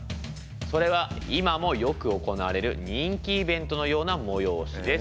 それは今もよく行われる人気イベントのような催しです。